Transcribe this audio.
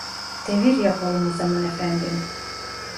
Devir yapalım o zaman efendim